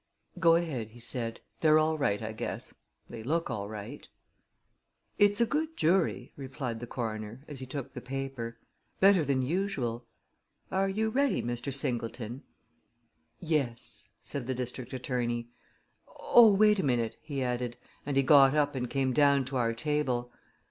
"Go ahead," he said. "They're all right, I guess they look all right." "It's a good jury," replied the coroner, as he took the paper. "Better than usual. Are you ready, Mr. Singleton?" "Yes," said the district attorney. "Oh, wait a minute," he added, and he got up and came down to our table.